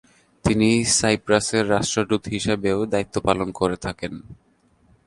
তিনি সাইপ্রাসের রাষ্ট্রদূত হিসেবেও দায়িত্ব পালন করে থাকেন।